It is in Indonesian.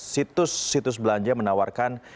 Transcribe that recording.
situs situs belanja menawarkan